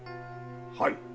はい。